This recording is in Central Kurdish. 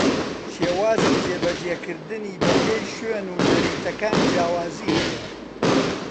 شێوازی جێبەجێکردنی بەپێی شوێن و نەریتەکان جیاوازی ھەیە